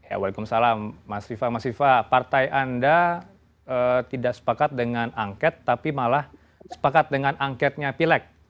waalaikumsalam mas viva mas viva partai anda tidak sepakat dengan angket tapi malah sepakat dengan angketnya pilek